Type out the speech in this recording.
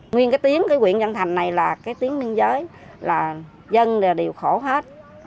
nguyên cái tiếng của huyện văn thành này là cái tiếng biên giới là dân đều khổ hết